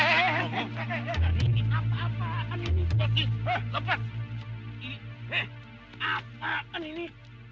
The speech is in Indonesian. ini hei apaan ini